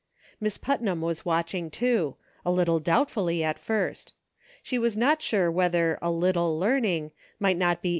Miss Putnam was watching, too ; a little doubtfully at first. She was not sure whether a "little learning" might not be I50 EXPERIMENTS.